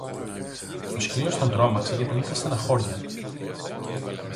Ο σκύλος τον τρόμαξε και του ήλθε στενοχώρια.